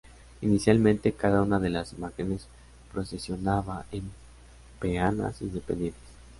Inicialmente, cada una de las imágenes procesionaba en peanas independientes.